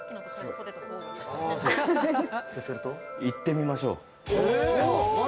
行ってみましょう。